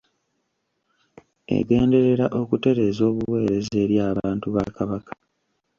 Egenderera okutereeza obuweereza eri abantu ba Kabaka.